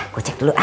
nah gue cek dulu ah